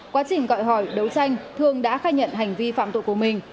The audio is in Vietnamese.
quá trình gọi hỏi đấu tranh thương đã khai nhận hành vi phạm tội của mình